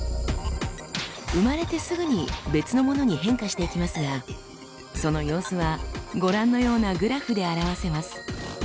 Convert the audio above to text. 生まれてすぐに別のものに変化していきますがその様子はご覧のようなグラフで表せます。